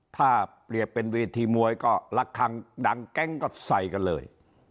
ถ้าเปรียบเป็นเวทีมวยก็ระคังดังแก๊งก็ใส่กันเลย